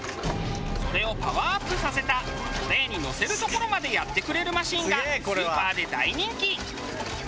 それをパワーアップさせたトレーにのせるところまでやってくれるマシンがスーパーで大人気。